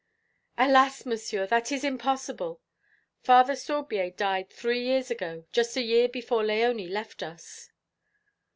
"Alas, Monsieur, that is impossible! Father Sorbier died three years ago, just a year before Léonie left us."